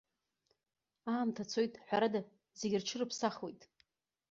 Аамҭа цоит, ҳәарада, зегьы рҽырыԥсахуеит.